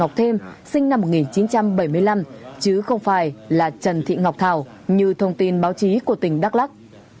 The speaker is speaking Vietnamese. trần thị ái sa sinh năm một nghìn chín trăm bảy mươi năm chứ không phải là trần thị ngọc thảo như thông tin báo chí của tỉnh đắk lắc